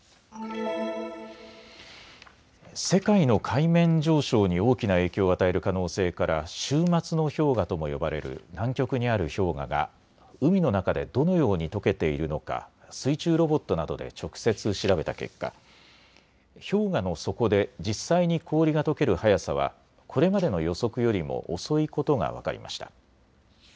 世界の海面上昇に大きな影響を与える可能性から終末の氷河とも呼ばれる南極にある氷河が海の中で、どのようにとけているのか水中ロボットなどで直接調べた結果、氷河の底で実際に氷がとける速さはこれまでの予測よりも遅いことが分かりました。